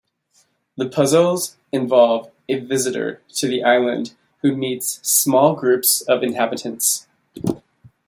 The puzzles involve a visitor to the island who meets small groups of inhabitants.